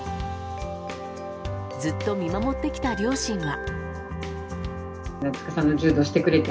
ずっと見守ってきた両親は。